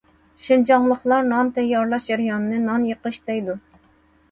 شىنجاڭلىقلار نان تەييارلاش جەريانىنى نان يېقىش دەيدۇ.